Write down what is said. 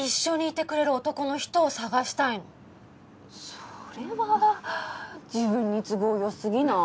それは自分に都合良すぎない？